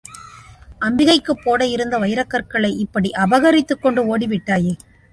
அம்பிகைக்குப் போட இருந்த வைரக்கற்களை, இப்படி அபகரித்துக் கொண்டு ஓடிவிட்டாயே!